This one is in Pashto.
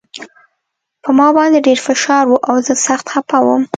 په ما باندې ډېر فشار و او زه سخت خپه وم